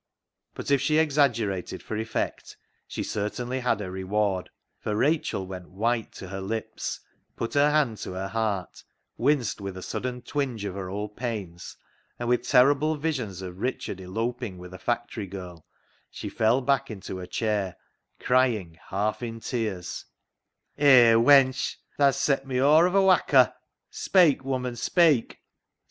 But if she exaggerated for effect, she certainly had her reward ; for Rachel went white to her lips, put her hand to her heart, winced with a sudden twinge of her old " pains," and with terrible visions of Richard eloping with a factory girl, she fell back into her chair, crying, half in tears —" Hay, wench, thaa's set me aw of a whacker ! Speik, woman, speik !